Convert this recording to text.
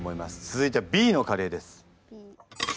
続いてはＢのカレーです。